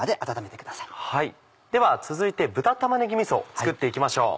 では続いて豚玉ねぎみそ作って行きましょう。